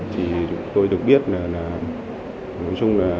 thì tôi được biết là